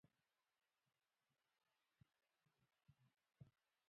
باران د افغانستان په هره برخه کې موندل کېږي.